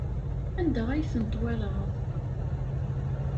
Anda ay ten-twalaḍ?